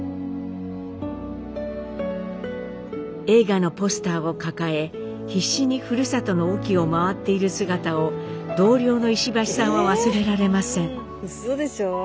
映画のポスターを抱え必死にふるさとの隠岐を回っている姿を同僚の石橋さんは忘れられません。